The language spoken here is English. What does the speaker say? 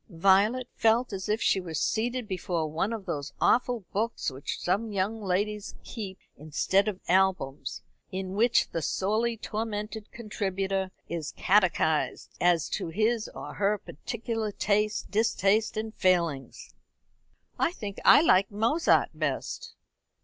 Violet felt as if she were seated before one of those awful books which some young ladies keep instead of albums, in which the sorely tormented contributor is catechised as to his or her particular tastes, distastes, and failings. "I think I like Mozart best."